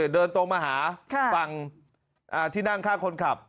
เดินตรงมาหาฝั่งที่นั่งข้างคนขับ